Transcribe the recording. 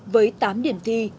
với tám điểm thi